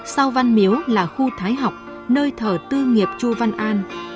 sau văn miếu là khu thái học nơi thờ tư nghiệp chu văn an